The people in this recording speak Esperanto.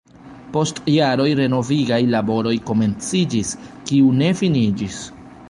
Post jaroj renovigaj laboroj komenciĝis, kiu ne finiĝis.